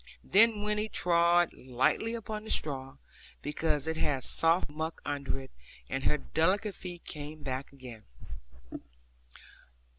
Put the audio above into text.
Then Winnie trod lightly upon the straw, because it had soft muck under it, and her delicate feet came back again.